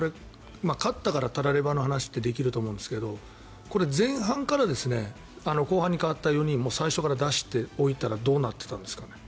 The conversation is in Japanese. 勝ったから、たらればの話ってできると思うんですけどこれ、前半から後半に代わった４人を最初から出して置いたらどうなっていたんですかね。